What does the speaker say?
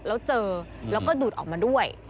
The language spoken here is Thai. แล้วก็ดูดออกมาด้วย